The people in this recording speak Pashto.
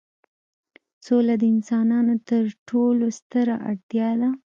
سوله د انسانانو تر ټولو ستره اړتیا ده.